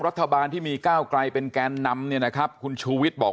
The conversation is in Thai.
รัฐบาลที่มีก้าวไกลเป็นแกนนำเนี่ยนะครับคุณชูวิทย์บอก